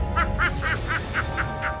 kadang lebih panjang